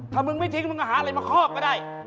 ถ้ามึงไม่ทิ้งมึงก็หาอะไรมาคอบก็ได้